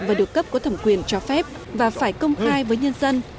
và được cấp có thẩm quyền cho phép và phải công khai với nhân dân